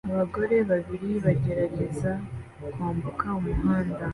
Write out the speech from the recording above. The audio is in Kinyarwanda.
Abagore babiri bagerageza kwambuka umuhanda